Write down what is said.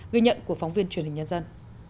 ghi nhận của phóng viên truyền hình nhân dân